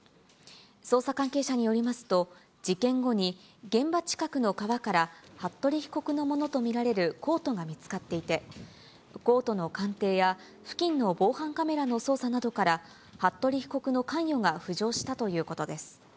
捜査関係者によりますと、事件後に現場近くの川から、服部被告のものと見られるコートが見つかっていて、コートの鑑定や付近の防犯カメラの捜査などから、服部被告の関与が浮上したということです。